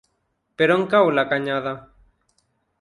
Per on cau la Canyada?